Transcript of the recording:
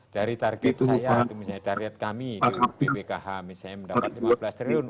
dari target saya misalnya target kami di bpkh misalnya mendapat lima belas triliun